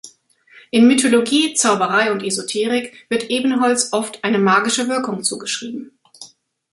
In Mythologie, Zauberei und Esoterik wird Ebenholz oft eine magische Wirkung zugeschrieben.